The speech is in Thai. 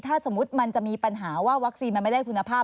ถ้าสมมุติมันจะมีปัญหาว่าวัคซีนมันไม่ได้คุณภาพ